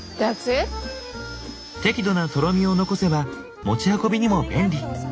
適度なとろみを残せば持ち運びにも便利。